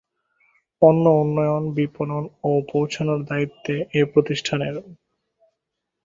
পণ্য উন্নয়ন, বিপণন ও পৌঁছানোর দায়িত্বে এ প্রতিষ্ঠানের।